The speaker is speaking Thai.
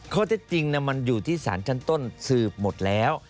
ข้อเท็จจริงมันอยู่ที่สารชั้นต้นสืบหมดแล้ว